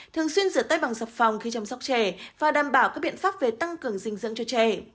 thường xuyên rửa tay bằng sập phòng khi chăm sóc trẻ và đảm bảo các biện pháp về tăng cường dinh dưỡng cho trẻ